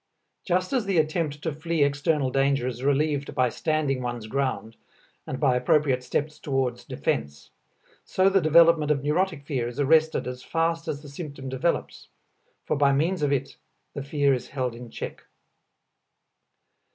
Just as the attempt to flee external danger is relieved by standing one's ground, and by appropriate steps toward defense, so the development of neurotic fear is arrested as fast as the symptom develops, for by means of it the fear is held in check.